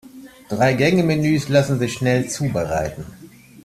Drei-Gänge-Menüs lassen sich schnell zubereiten.